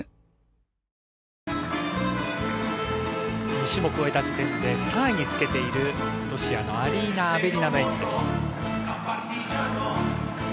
２種目を終えた時点で３位につけているロシアのアリーナ・アベリナの演技です。